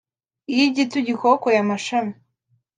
Iyo igiti ugikokoye amashami